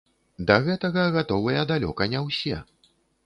Да гэтага гатовыя далёка не ўсе.